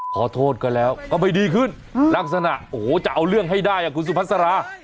ขอโทษกันแล้วก็ไปดีขึ้นลักษณะจะเอาเรื่องให้ได้อย่างคุณสุภัาระ